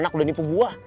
tuan aku udah nipu gua